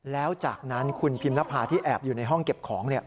แล้วจากนั้นคุณพิมนภาที่แอบอยู่ในห้องเก็บของเนี่ย